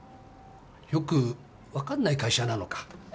よく分かんない会社なのか？